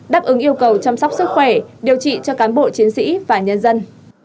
đáp ứng yêu cầu chăm sóc sức khỏe điều trị cho cán bộ chiến sĩ và nhân dân